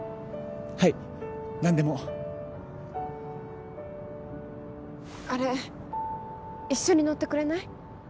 はい何でもあれ一緒に乗ってくれない？